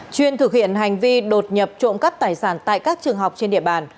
chuyên thực hiện hành vi đột nhập trộm cắp tài sản tại các trường học trên địa bàn